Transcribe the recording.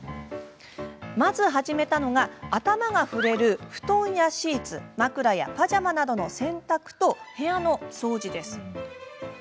まず始めたのが頭が触れる布団やシーツ枕やパジャマなどの洗濯と部屋の掃除です。